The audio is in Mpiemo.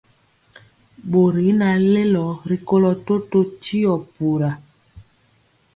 Bori y naŋ lelo rikolo totó tio pura.